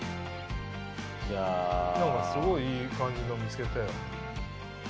何かすごいいい感じの見つけたよ。